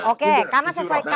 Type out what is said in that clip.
oke karena sesuai